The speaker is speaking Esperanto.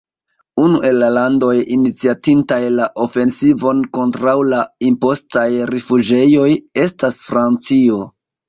Unu el la landoj iniciatintaj la ofensivon kontraŭ la impostaj rifuĝejoj estas Francio.